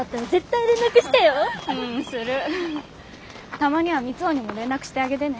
たまには三生にも連絡してあげてね。